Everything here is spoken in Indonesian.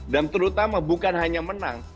dan terutama bukan hanya menang